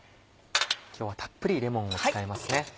今日はたっぷりレモンを使いますね。